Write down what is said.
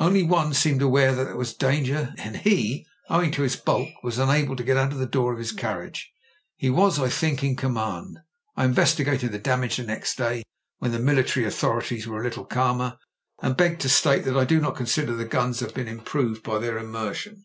Only one seemed aware that there was danger, and he, owing to his bulk, was unable to get out of the door of his car riage. He was, I think, in command. I investigated the damage next day when the military authorities were a little calmer, and beg to state that I do not consider the guns have been improved by their immer sion.